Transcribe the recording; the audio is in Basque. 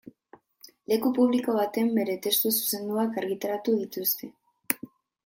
Leku publiko batean bere testu zuzenduak argitaratu dituzte.